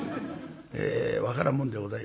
ええ分からんもんでございます。